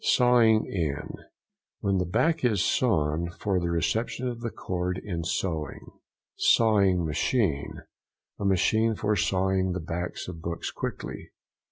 SAWING IN.—When the back is sawn for the reception of the cord in sewing. SAWING MACHINE.—A machine for sawing the backs of books quickly.